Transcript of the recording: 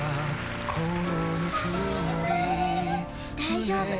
大丈夫。